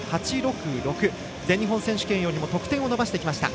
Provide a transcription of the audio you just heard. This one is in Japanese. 全日本選手権よりも得点を伸ばしてきました。